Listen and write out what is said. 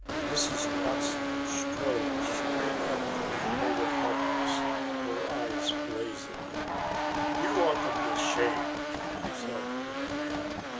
Mrs. Watson strode straight up to Trader Harkness, her eyes blazing. "You ought to be ashamed!" she said to the man.